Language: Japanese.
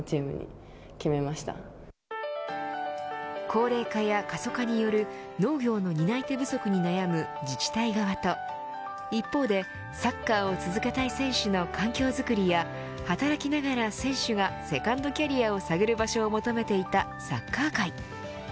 高齢化や過疎化による農業の担い手不足に悩む自治体側と一方でサッカーを続けたい選手の環境づくりや働きながら選手がセカンドキャリアを探る場所を求めていたサッカー界。